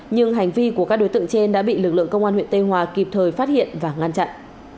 nhưng hành vi của các đối tượng trên đã bị lực lượng công an huyện tây hòa kịp thời phát hiện và ngăn chặn